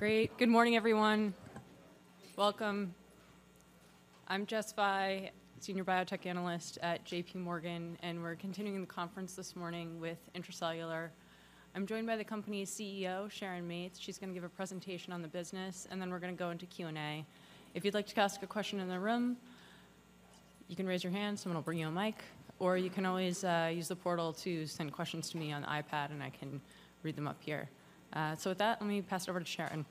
Great. Good morning, everyone. Welcome. I'm Jessica Fye, Senior Biotech Analyst at JPMorgan, and we're continuing the conference this morning with Intra-Cellular. I'm joined by the company's CEO, Sharon Mates. She's going to give a presentation on the business, and then we're going to go into Q&A. If you'd like to ask a question in the room, you can raise your hand, someone will bring you a mic, or you can always use the portal to send questions to me on the iPad, and I can read them up here. So with that, let me pass it over to Sharon.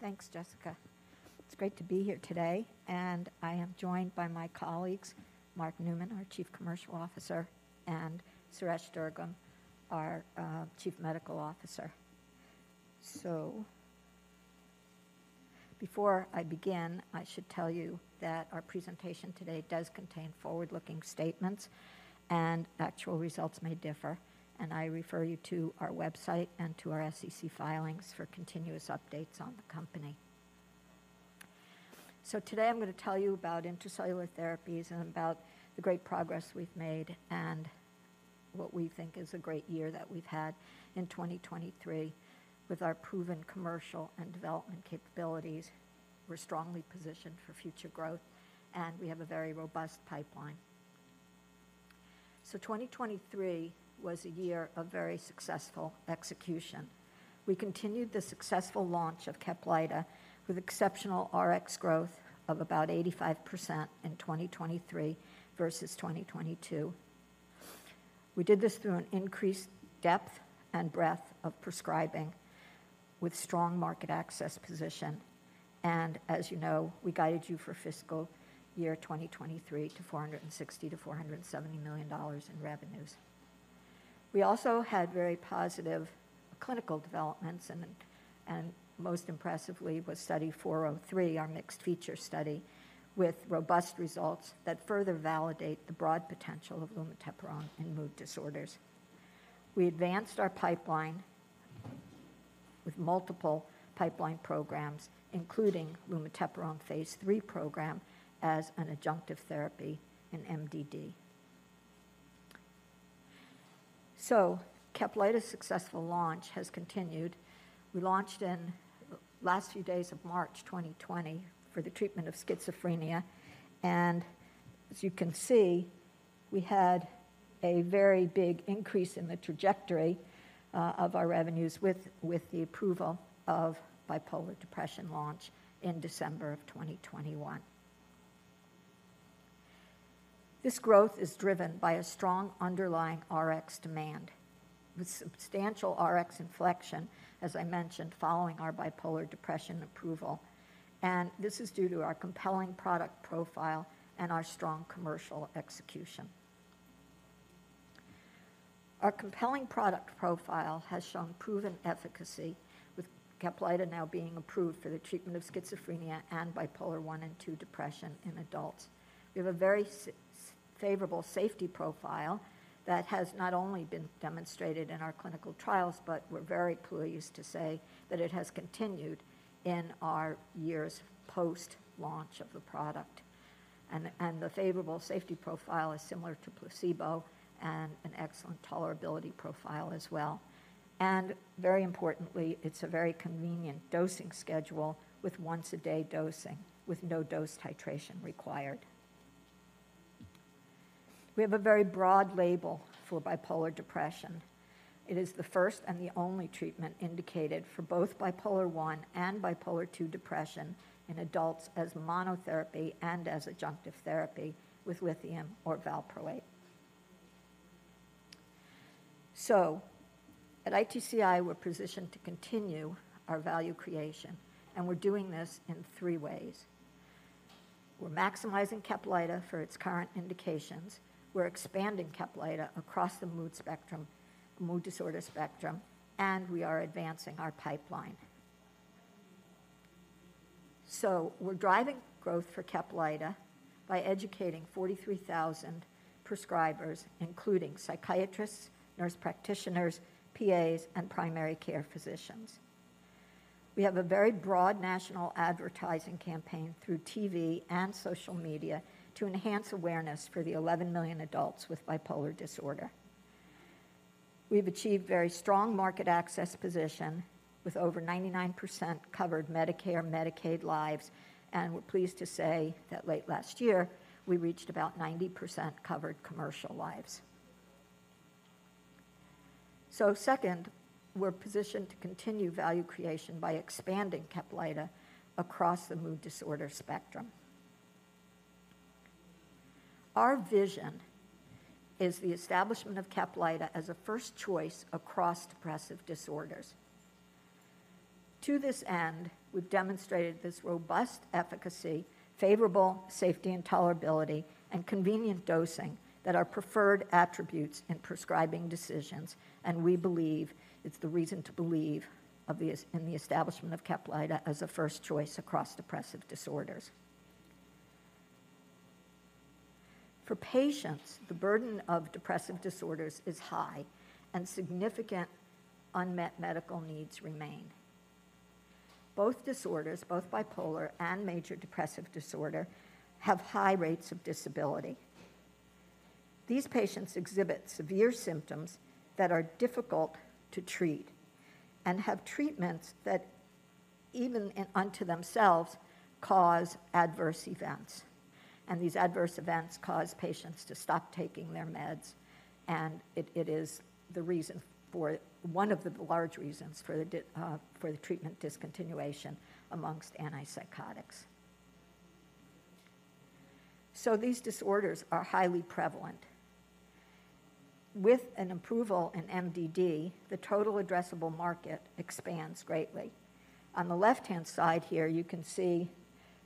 Thanks, Jessica. It's great to be here today, and I am joined by my colleagues, Mark Neumann, our Chief Commercial Officer, and Suresh Durgam, our Chief Medical Officer. So before I begin, I should tell you that our presentation today does contain forward-looking statements, and actual results may differ, and I refer you to our website and to our SEC filings for continuous updates on the company. So today I'm going to tell you about Intra-Cellular Therapies and about the great progress we've made and what we think is a great year that we've had in 2023. With our proven commercial and development capabilities, we're strongly positioned for future growth, and we have a very robust pipeline. So 2023 was a year of very successful execution. We continued the successful launch of CAPLYTA with exceptional Rx growth of about 85% in 2023 versus 2022. We did this through an increased depth and breadth of prescribing with strong market access position, and as you know, we guided you for fiscal year 2023 to $460 million-$470 million in revenues. We also had very positive clinical developments, and most impressively was Study 403, our mixed feature study, with robust results that further validate the broad potential of lumateperone in mood disorders. We advanced our pipeline with multiple pipeline programs, including lumateperone phase III program as an adjunctive therapy in MDD. So CAPLYTA's successful launch has continued. We launched in last few days of March 2020 for the treatment of schizophrenia, and as you can see, we had a very big increase in the trajectory of our revenues with the approval of bipolar depression launch in December of 2021. This growth is driven by a strong underlying Rx demand, with substantial Rx inflection, as I mentioned, following our bipolar depression approval, and this is due to our compelling product profile and our strong commercial execution. Our compelling product profile has shown proven efficacy, with CAPLYTA now being approved for the treatment of schizophrenia and bipolar I and II depression in adults. We have a very favorable safety profile that has not only been demonstrated in our clinical trials, but we're very pleased to say that it has continued in our years post-launch of the product. The favorable safety profile is similar to placebo and an excellent tolerability profile as well. Very importantly, it's a very convenient dosing schedule with once-a-day dosing, with no dose titration required. We have a very broad label for bipolar depression. It is the first and the only treatment indicated for both bipolar I and bipolar II depression in adults as monotherapy and as adjunctive therapy with lithium or valproate. So at ITCI, we're positioned to continue our value creation, and we're doing this in three ways: We're maximizing CAPLYTA for its current indications, we're expanding CAPLYTA across the mood spectrum, mood disorder spectrum, and we are advancing our pipeline. So we're driving growth for CAPLYTA by educating 43,000 prescribers, including psychiatrists, nurse practitioners, PAs, and primary care physicians. We have a very broad national advertising campaign through TV and social media to enhance awareness for the 11 million adults with bipolar disorder. We've achieved very strong market access position, with over 99% covered Medicare/Medicaid lives, and we're pleased to say that late last year, we reached about 90% covered commercial lives. So second, we're positioned to continue value creation by expanding CAPLYTA across the mood disorder spectrum. Our vision is the establishment of CAPLYTA as a first choice across depressive disorders. To this end, we've demonstrated this robust efficacy, favorable safety and tolerability, and convenient dosing that are preferred attributes in prescribing decisions, and we believe it's the reason to believe in the establishment of CAPLYTA as a first choice across depressive disorders. For patients, the burden of depressive disorders is high and significant unmet medical needs remain. Both disorders, both bipolar and major depressive disorder, have high rates of disability. These patients exhibit severe symptoms that are difficult to treat, and have treatments that even unto themselves cause adverse events. These adverse events cause patients to stop taking their meds, and it is the reason for one of the large reasons for the treatment discontinuation among antipsychotics. These disorders are highly prevalent. With an approval in MDD, the total addressable market expands greatly. On the left-hand side here, you can see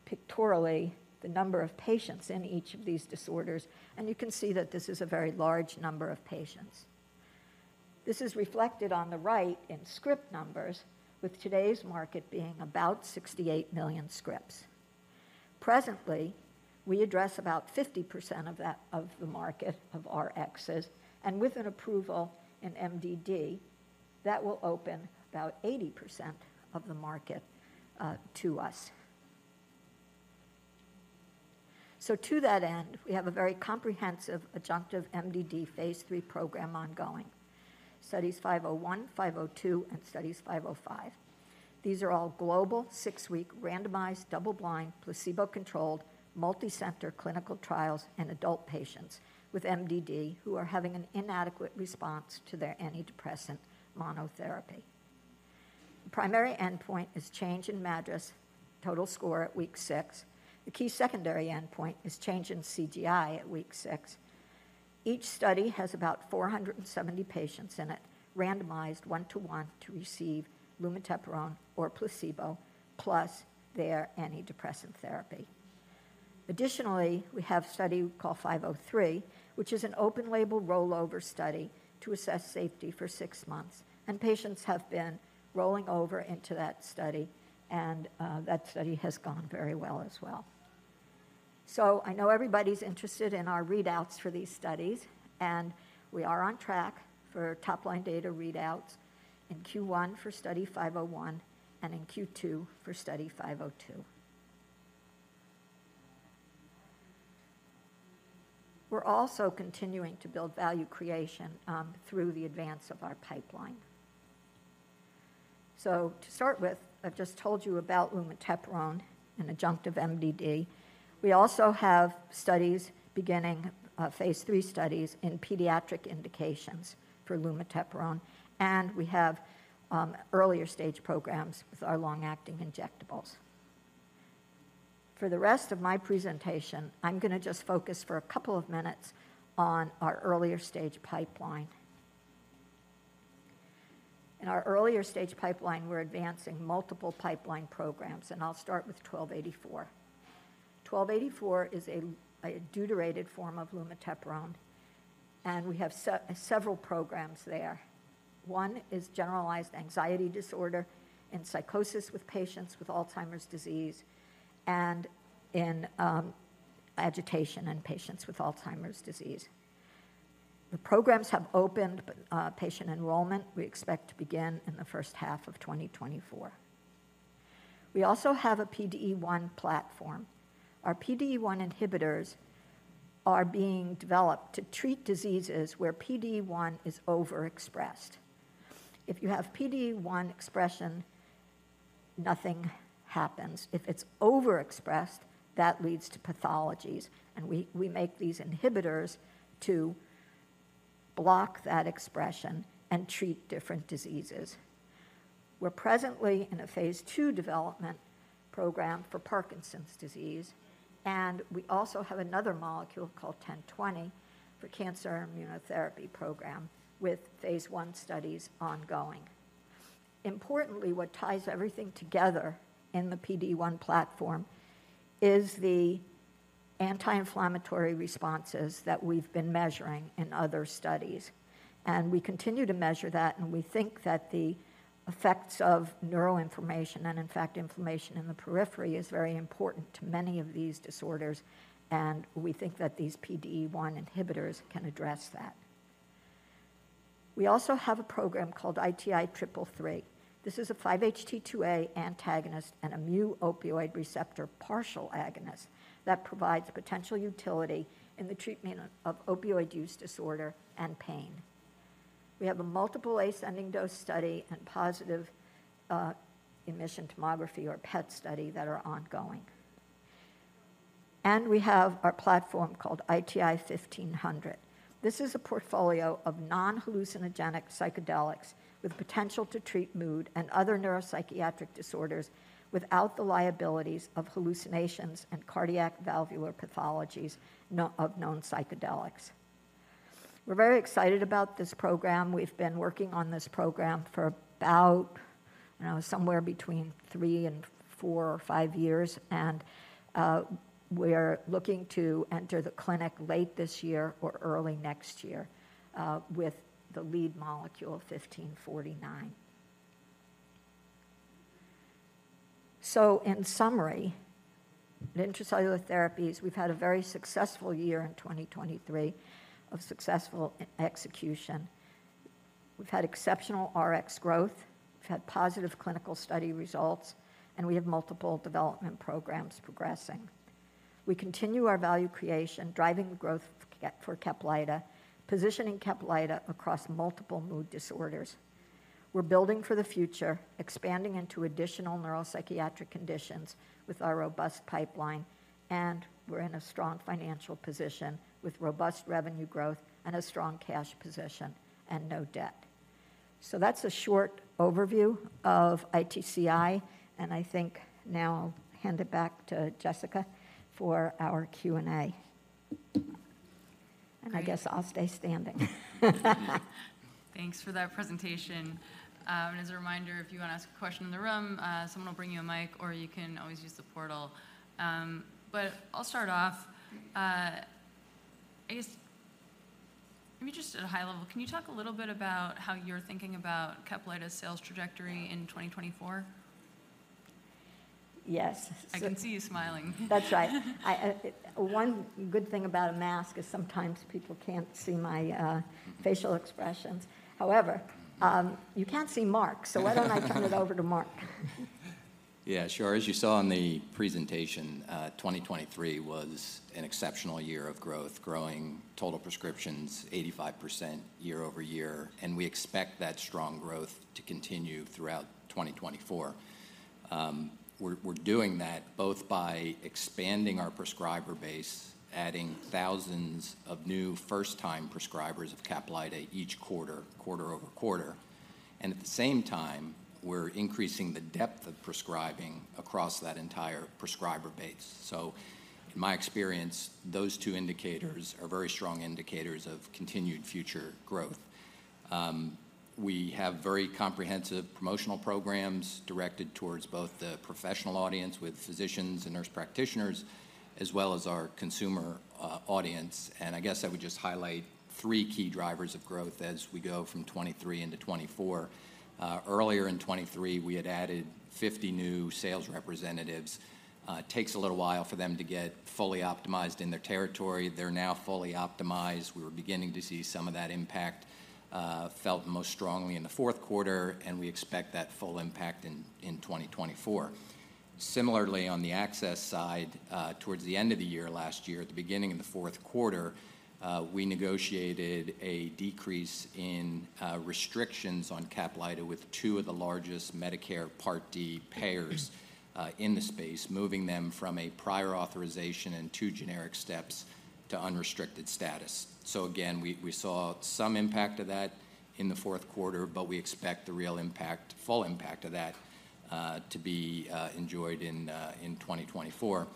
pictorially the number of patients in each of these disorders, and you can see that this is a very large number of patients. This is reflected on the right in script numbers, with today's market being about 68 million scripts. Presently, we address about 50% of that, of the market of Rxs, and with an approval in MDD, that will open about 80% of the market to us. So to that end, we have a very comprehensive adjunctive MDD phase III program ongoing: Studies 501, 502, and Studies 505. These are all global, six-week, randomized, double-blind, placebo-controlled, multicenter clinical trials in adult patients with MDD, who are having an inadequate response to their antidepressant monotherapy. The primary endpoint is change in MADRS total score at week 6. The key secondary endpoint is change in CGI at week six. Each study has about 470 patients in it, randomized 1:1 to receive lumateperone or placebo, plus their antidepressant therapy. Additionally, we have a study called 503, which is an open-label, rollover study to assess safety for six months, and patients have been rolling over into that study, and, that study has gone very well as well. So I know everybody's interested in our readouts for these studies, and we are on track for top-line data readouts in Q1 for Study 501, and in Q2 for Study 502. We're also continuing to build value creation through the advance of our pipeline. So to start with, I've just told you about lumateperone and adjunctive MDD. We also have studies beginning phase III studies in pediatric indications for lumateperone, and we have earlier stage programs with our long-acting injectables. For the rest of my presentation, I'm gonna just focus for a couple of minutes on our earlier stage pipeline. In our earlier stage pipeline, we're advancing multiple pipeline programs, and I'll start with 1284. 1284 is a deuterated form of lumateperone, and we have several programs there. One is generalized anxiety disorder and psychosis with patients with Alzheimer's disease, and in agitation in patients with Alzheimer's disease. The programs have opened, but patient enrollment, we expect to begin in the first half of 2024. We also have a PDE1 platform. Our PDE1 inhibitors are being developed to treat diseases where PDE1 is overexpressed. If you have PDE1 expression, nothing happens. If it's overexpressed, that leads to pathologies, and we make these inhibitors to block that expression and treat different diseases. We're presently in a phase II development program for Parkinson's disease, and we also have another molecule called 102 for cancer immunotherapy program, with phase I studies ongoing. Importantly, what ties everything together in the PDE1 platform is the anti-inflammatory responses that we've been measuring in other studies. We continue to measure that, and we think that the effects of neuroinflammation, and in fact, inflammation in the periphery, is very important to many of these disorders, and we think that these PDE1 inhibitors can address that. We also have a program called ITI-333. This is a 5-HT2A antagonist and a mu-opioid receptor partial agonist that provides potential utility in the treatment of opioid use disorder and pain. We have a multiple ascending dose study and positive positron emission tomography or PET study that are ongoing. We have our platform called ITI-1500. This is a portfolio of non-hallucinogenic psychedelics with potential to treat mood and other neuropsychiatric disorders, without the liabilities of hallucinations and cardiac valvular pathologies of known psychedelics. We're very excited about this program. We've been working on this program for about, you know, somewhere between three and four or five years, and, we're looking to enter the clinic late this year or early next year, with the lead molecule, 1549. So in summary, Intra-Cellular Therapies, we've had a very successful year in 2023 of successful and execution. We've had exceptional Rx growth, we've had positive clinical study results, and we have multiple development programs progressing. We continue our value creation, driving growth for CAPLYTA, positioning CAPLYTA across multiple mood disorders. We're building for the future, expanding into additional neuropsychiatric conditions with our robust pipeline, and we're in a strong financial position with robust revenue growth and a strong cash position and no debt. So that's a short overview of ITCI, and I think now I'll hand it back to Jessica for our Q&A. And I guess I'll stay standing. Thanks for that presentation. As a reminder, if you want to ask a question in the room, someone will bring you a mic, or you can always use the portal. But I'll start off. I guess, maybe just at a high level, can you talk a little bit about how you're thinking about CAPLYTA's sales trajectory in 2024? Yes. I can see you smiling. That's right. I, one good thing about a mask is sometimes people can't see my facial expressions. However, you can't see Mark—so why don't I turn it over to Mark? Yeah, sure. As you saw in the presentation, 2023 was an exceptional year of growth, growing total prescriptions 85% year-over-year, and we expect that strong growth to continue throughout 2024. We're doing that both by expanding our prescriber base, adding thousands of new first-time prescribers of CAPLYTA each quarter-over-quarter. And at the same time, we're increasing the depth of prescribing across that entire prescriber base. So in my experience, those two indicators are very strong indicators of continued future growth. We have very comprehensive promotional programs directed towards both the professional audience, with physicians and nurse practitioners, as well as our consumer audience. And I guess I would just highlight three key drivers of growth as we go from 2023 into 2024. Earlier in 2023, we had added 50 new sales representatives. It takes a little while for them to get fully optimized in their territory. They're now fully optimized. We were beginning to see some of that impact, felt most strongly in the fourth quarter, and we expect that full impact in 2024. Similarly, on the access side, towards the end of the year last year, at the beginning of the fourth quarter, we negotiated a decrease in restrictions on CAPLYTA with two of the largest Medicare Part D payers in the space, moving them from a prior authorization and two generic steps to unrestricted status. So again, we saw some impact of that in the fourth quarter, but we expect the real impact, full impact of that, to be enjoyed in 2024.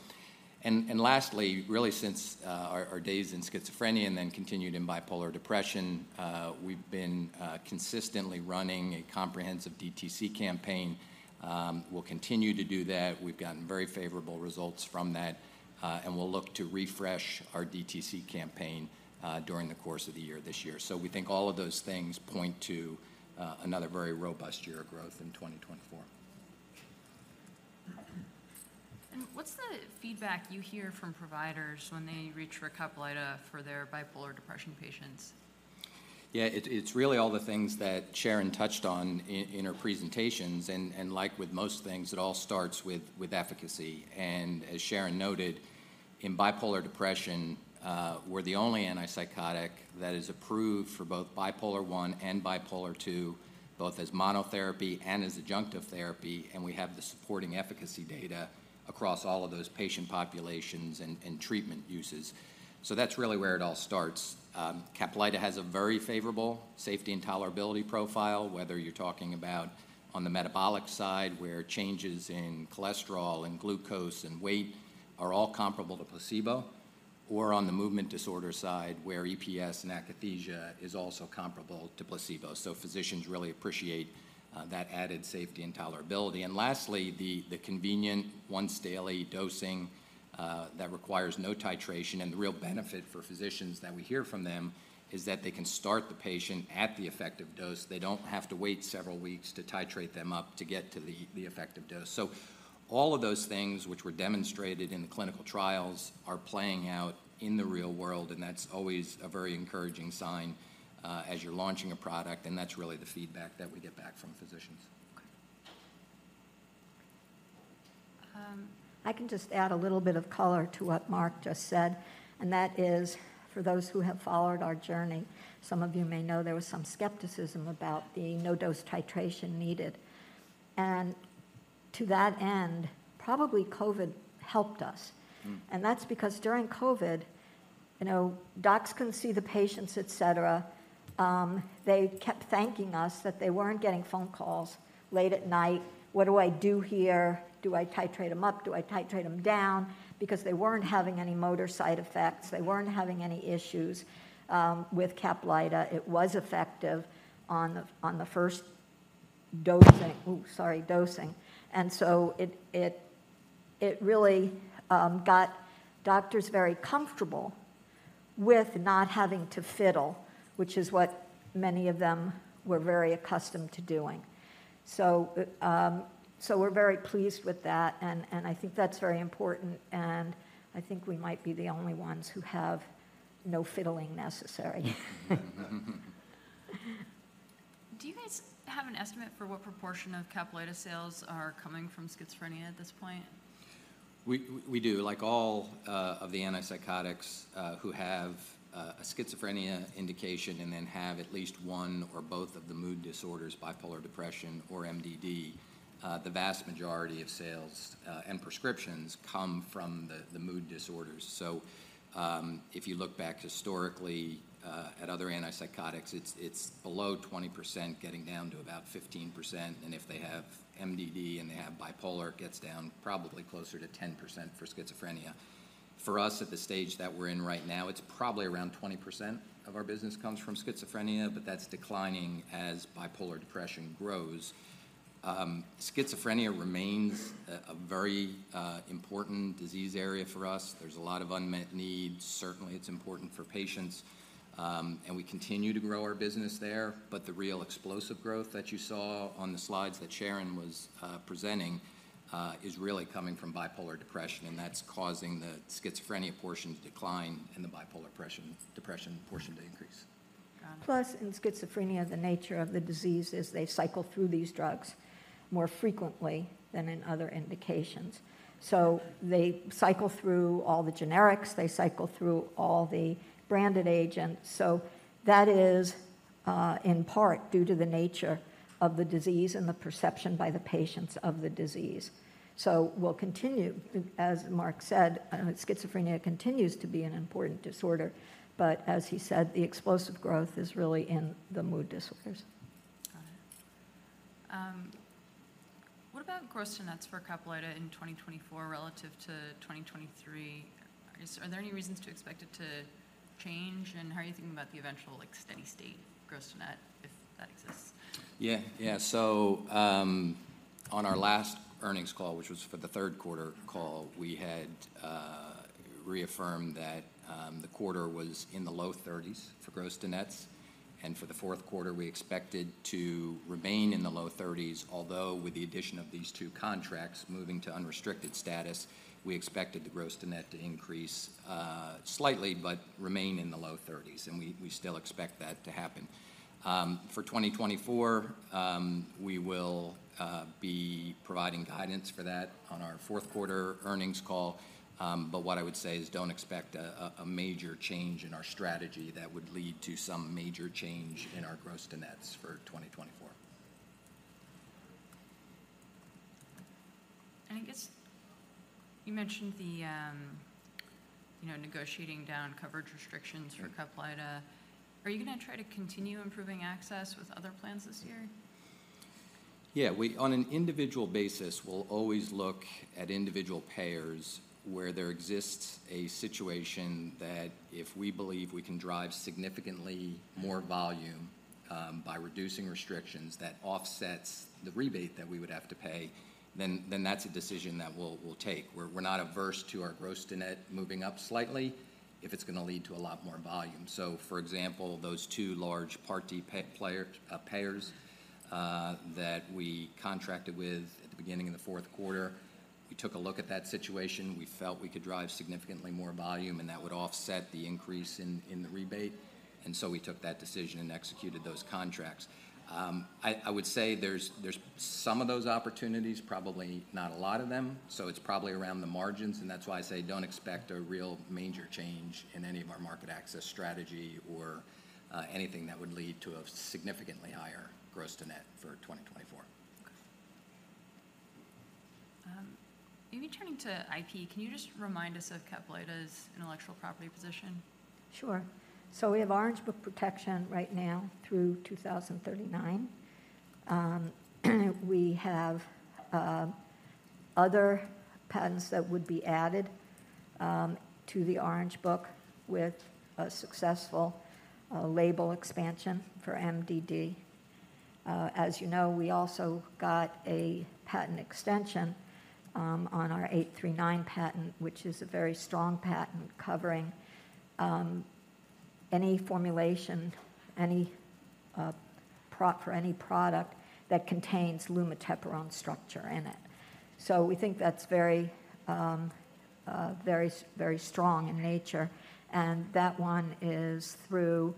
Lastly, really since our days in schizophrenia and then continued in bipolar depression, we've been consistently running a comprehensive DTC campaign. We'll continue to do that. We've gotten very favorable results from that, and we'll look to refresh our DTC campaign during the course of the year this year. So we think all of those things point to another very robust year of growth in 2024. What's the feedback you hear from providers when they reach for CAPLYTA for their bipolar depression patients? Yeah, it's really all the things that Sharon touched on in her presentations. And like with most things, it all starts with efficacy. And as Sharon noted, in bipolar depression, we're the only antipsychotic that is approved for both bipolar I and bipolar II, both as monotherapy and as adjunctive therapy, and we have the supporting efficacy data across all of those patient populations and treatment uses. So that's really where it all starts. CAPLYTA has a very favorable safety and tolerability profile, whether you're talking about on the metabolic side, where changes in cholesterol and glucose and weight are all comparable to placebo, or on the movement disorder side, where EPS and akathisia is also comparable to placebo. So physicians really appreciate that added safety and tolerability. And lastly, the convenient once-daily dosing that requires no titration. The real benefit for physicians that we hear from them is that they can start the patient at the effective dose. They don't have to wait several weeks to titrate them up to get to the effective dose. So all of those things which were demonstrated in the clinical trials are playing out in the real world, and that's always a very encouraging sign as you're launching a product, and that's really the feedback that we get back from physicians. I can just add a little bit of color to what Mark just said, and that is, for those who have followed our journey, some of you may know there was some skepticism about the no-dose titration needed. To that end, probably COVID helped us. Hmm. And that's because during COVID, you know, docs couldn't see the patients, et cetera. They kept thanking us that they weren't getting phone calls late at night: "What do I do here? Do I titrate them up? Do I titrate them down?" Because they weren't having any motor side effects. They weren't having any issues with CAPLYTA. It was effective on the first dosing. And so it really got doctors very comfortable with not having to fiddle, which is what many of them were very accustomed to doing. So we're very pleased with that, and I think that's very important, and I think we might be the only ones who have no fiddling necessary. Do you guys have an estimate for what proportion of CAPLYTA sales are coming from schizophrenia at this point? We do. Like all of the antipsychotics who have a schizophrenia indication and then have at least one or both of the mood disorders, bipolar depression or MDD, the vast majority of sales and prescriptions come from the mood disorders. So, if you look back historically at other antipsychotics, it's below 20%, getting down to about 15%, and if they have MDD and they have bipolar, it gets down probably closer to 10% for schizophrenia. For us, at the stage that we're in right now, it's probably around 20% of our business comes from schizophrenia, but that's declining as bipolar depression grows. Schizophrenia remains a very important disease area for us. There's a lot of unmet needs. Certainly, it's important for patients, and we continue to grow our business there. But the real explosive growth that you saw on the slides that Sharon was presenting is really coming from bipolar depression, and that's causing the schizophrenia portion to decline and the bipolar depression portion to increase. Got it. Plus, in schizophrenia, the nature of the disease is they cycle through these drugs more frequently than in other indications. So they cycle through all the generics, they cycle through all the branded agents. So that is, in part, due to the nature of the disease and the perception by the patients of the disease. So we'll continue... As Mark said, schizophrenia continues to be an important disorder, but as he said, the explosive growth is really in the mood disorders. Got it. What about gross to nets for CAPLYTA in 2024 relative to 2023? Are there any reasons to expect it to change, and how are you thinking about the eventual, like, steady-state gross to net, if that exists? Yeah. Yeah. So, on our last earnings call, which was for the third quarter call, we had reaffirmed that the quarter was in the low thirties for gross to net, and for the fourth quarter, we expected to remain in the low thirties. Although, with the addition of these two contracts moving to unrestricted status, we expected the gross to net to increase slightly, but remain in the low thirties, and we still expect that to happen. For 2024, we will be providing guidance for that on our fourth quarter earnings call. But what I would say is don't expect a major change in our strategy that would lead to some major change in our gross to net for 2024. I guess you mentioned the, you know, negotiating down coverage restrictions for CAPLYTA. Mm-hmm. Are you gonna try to continue improving access with other plans this year? Yeah. On an individual basis, we'll always look at individual payers, where there exists a situation that if we believe we can drive significantly more volume by reducing restrictions, that offsets the rebate that we would have to pay, then that's a decision that we'll take. We're not averse to our gross to net moving up slightly if it's gonna lead to a lot more volume. So, for example, those two large Part D payers that we contracted with at the beginning of the fourth quarter, we took a look at that situation. We felt we could drive significantly more volume, and that would offset the increase in the rebate, and so we took that decision and executed those contracts. I would say there's some of those opportunities, probably not a lot of them, so it's probably around the margins, and that's why I say don't expect a real major change in any of our market access strategy or anything that would lead to a significantly higher gross to net for 2024. Maybe turning to IP, can you just remind us of CAPLYTA's intellectual property position? Sure. So we have Orange Book protection right now through 2039. We have other patents that would be added to the Orange Book with a successful label expansion for MDD. As you know, we also got a patent extension on our 839 patent, which is a very strong patent covering any formulation, any for any product that contains lumateperone structure in it. So we think that's very strong in nature, and that one is through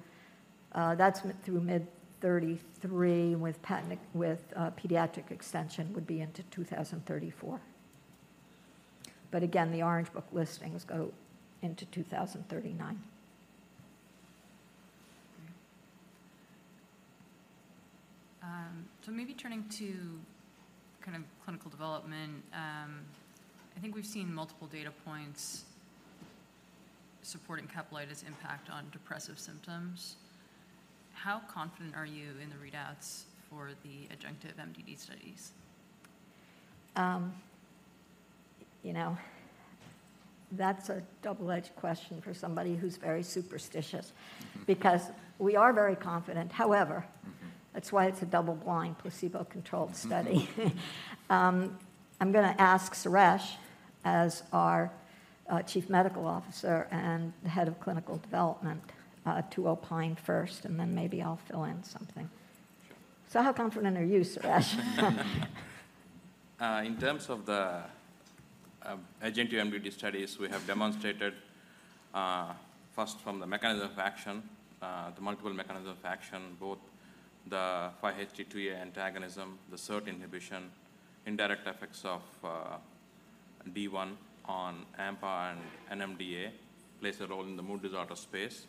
mid-2033, with pediatric extension, would be into 2034. But again, the Orange Book listings go into 2039. So maybe turning to kind of clinical development, I think we've seen multiple data points supporting CAPLYTA's impact on depressive symptoms. How confident are you in the readouts for the adjunctive MDD studies? You know, that's a double-edged question for somebody who's very superstitious because we are very confident. However... That's why it's a double-blind, placebo-controlled study. I'm gonna ask Suresh, as our Chief Medical Officer and the Head of Clinical Development, to opine first, and then maybe I'll fill in something. So how confident are you, Suresh? In terms of the adjunctive MDD studies, we have demonstrated, first from the mechanism of action, the multiple mechanism of action, both the 5-HT2A antagonism, the SERT inhibition, indirect effects of D1 on AMPA and NMDA, plays a role in the mood disorder space.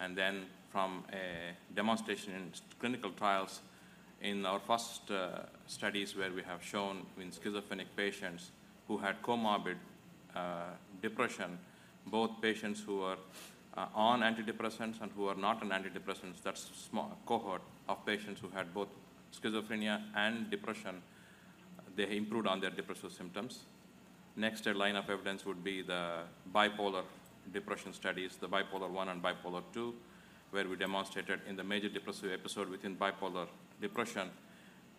And then from a demonstration in clinical trials, in our first studies, where we have shown in schizophrenic patients who had comorbid depression, both patients who are on antidepressants and who are not on antidepressants, that's a small cohort of patients who had both schizophrenia and depression, they improved on their depressive symptoms. Next line of evidence would be the bipolar depression studies, the Bipolar I and Bipolar II, where we demonstrated in the major depressive episode within bipolar depression,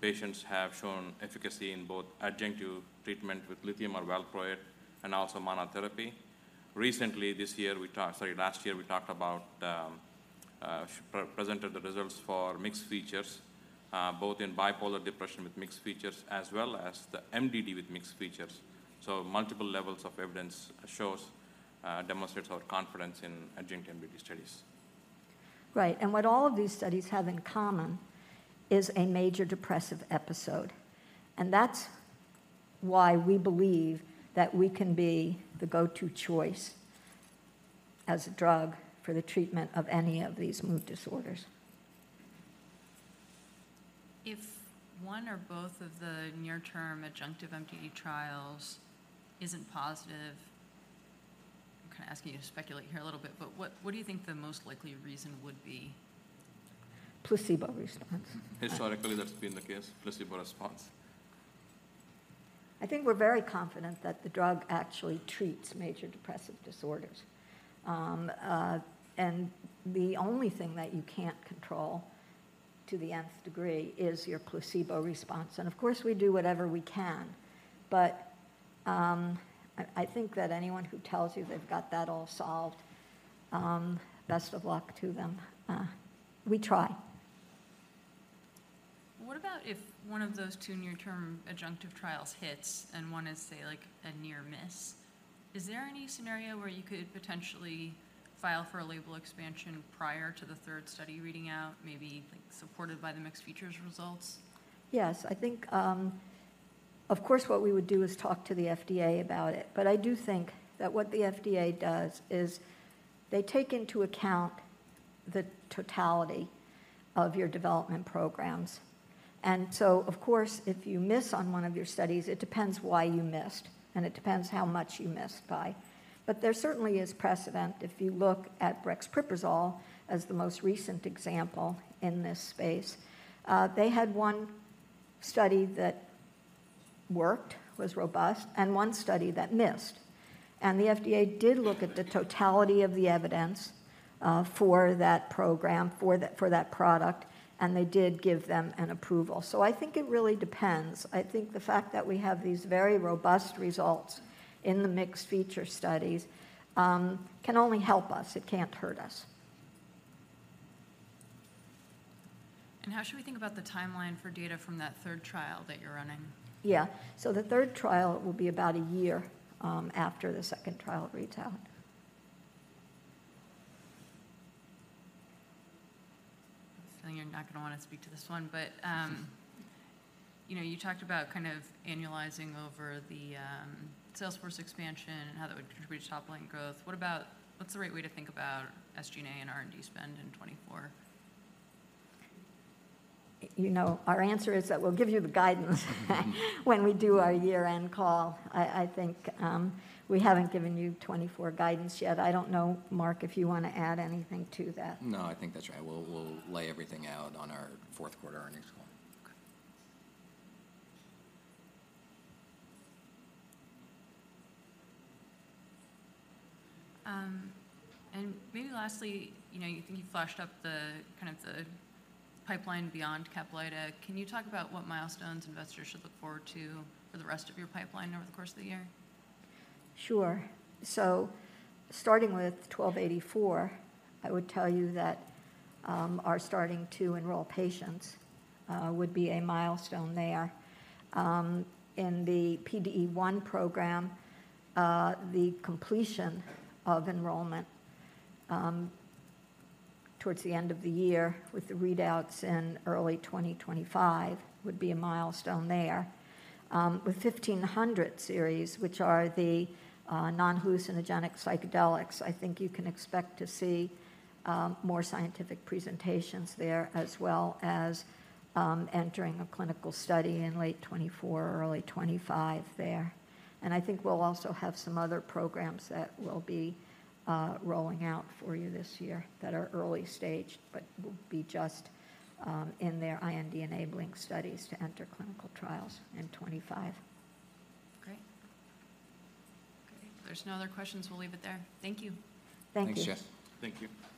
patients have shown efficacy in both adjunctive treatment with lithium or valproate and also monotherapy. Recently, this year, we talked... Sorry, last year, we talked about presented the results for mixed features, both in bipolar depression with mixed features, as well as the MDD with mixed features. So multiple levels of evidence demonstrates our confidence in adjunctive MDD studies. Right. And what all of these studies have in common is a major depressive episode, and that's why we believe that we can be the go-to choice as a drug for the treatment of any of these mood disorders. If one or both of the near-term adjunctive MDD trials isn't positive, I'm kinda asking you to speculate here a little bit, but what, what do you think the most likely reason would be? Placebo response. Historically, that's been the case, placebo response. I think we're very confident that the drug actually treats major depressive disorders. And the only thing that you can't control to the nth degree is your placebo response, and of course, we do whatever we can. But I think that anyone who tells you they've got that all solved, best of luck to them. We try. What about if one of those two near-term adjunctive trials hits, and one is, say, like a near miss? Is there any scenario where you could potentially file for a label expansion prior to the third study reading out, maybe, like, supported by the mixed features results? Yes. I think, of course, what we would do is talk to the FDA about it. But I do think that what the FDA does is they take into account the totality of your development programs. And so, of course, if you miss on one of your studies, it depends why you missed, and it depends how much you missed by. But there certainly is precedent. If you look at brexpiprazole as the most recent example in this space, they had one study that worked, was robust, and one study that missed. And the FDA did look at the totality of the evidence, for that program, for the- for that product, and they did give them an approval. So I think it really depends. I think the fact that we have these very robust results in the mixed feature studies, can only help us. It can't hurt us. How should we think about the timeline for data from that third trial that you're running? Yeah. So the third trial will be about a year after the second trial reads out. I have a feeling you're not gonna wanna speak to this one, but, you know, you talked about kind of annualizing over the, sales force expansion and how that would contribute to top-line growth. What about, what's the right way to think about SG&A and R&D spend in 2024? You know, our answer is that we'll give you the guidance when we do our year-end call. I, I think, we haven't given you 2024 guidance yet. I don't know, Mark, if you wanna add anything to that. No, I think that's right. We'll, we'll lay everything out on our fourth-quarter earnings call. Okay. And maybe lastly, you know, you think you flashed up the, kind of the pipeline beyond CAPLYTA. Can you talk about what milestones investors should look forward to for the rest of your pipeline over the course of the year? Sure. So starting with 1284, I would tell you that, our starting to enroll patients, would be a milestone there. In the PDE1 program, the completion of enrollment, towards the end of the year, with the readouts in early 2025, would be a milestone there. With 1500 series, which are the, non-hallucinogenic psychedelics, I think you can expect to see, more scientific presentations there, as well as, entering a clinical study in late 2024 or early 2025 there. And I think we'll also have some other programs that we'll be, rolling out for you this year that are early stage, but will be just, in their IND-enabling studies to enter clinical trials in 2025. Great. Great. If there's no other questions, we'll leave it there. Thank you. Thank you. Thanks, Jess. Thank you.